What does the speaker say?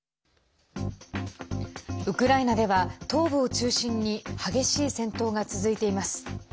ウクライナでは東部を中心に激しい戦闘が続いています。